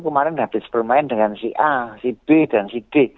kemarin habis bermain dengan si a si b dan si g